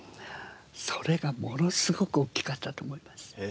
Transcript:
それがものすごく大きかったと思います。